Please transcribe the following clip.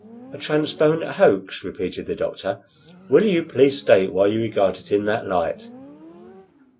"A transparent hoax!" repeated the doctor. "Will you please state why you regard it in that light?"